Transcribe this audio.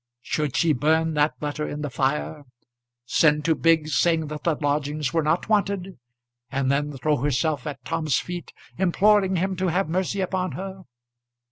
Should she burn that letter in the fire, send to Biggs saying that the lodgings were not wanted, and then throw herself at Tom's feet, imploring him to have mercy upon her?